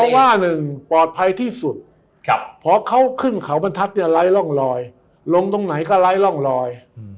เพราะว่าหนึ่งปลอดภัยที่สุดพอเขาขึ้นเขาบรรทัศน์เนี่ยไร้ร่องลอยลงตรงไหนก็ไร้ร่องรอย